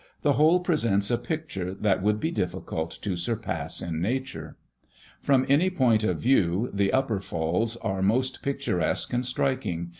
the whole presents a picture that would be difficult to surpass in nature." "From any point of view, the Upper Falls are most picturesque and striking.